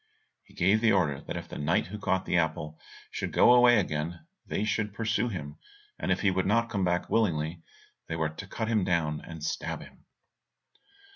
He gave the order that if the knight who caught the apple, should go away again they should pursue him, and if he would not come back willingly, they were to cut him down and stab him.